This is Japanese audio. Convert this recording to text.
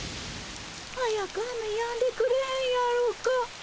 早く雨やんでくれへんやろか。